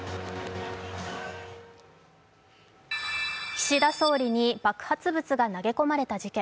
岸田総理に爆発物が投げ込まれた事件。